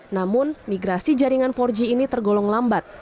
namun migrasi jaringan empat g ini tergolong lambat